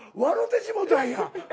てしもたんや。